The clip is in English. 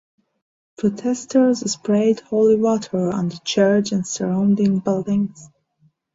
Protestors sprayed holy water on the church and surrounding buildings.